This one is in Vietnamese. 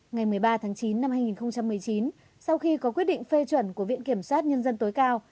ngày một mươi ba tháng chín năm hai nghìn một mươi chín sau khi có quyết định phê chuẩn của viện kiểm sát nhân dân tối cao